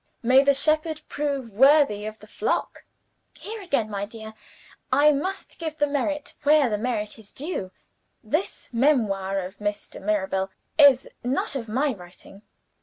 May the shepherd prove worthy of the flock! "Here again, my dear, I must give the merit where the merit is due. This memoir of Mr. Mirabel is not of my writing.